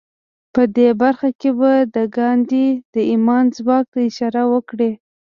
په دې برخه کې به د ګاندي د ايمان ځواک ته اشاره وکړو.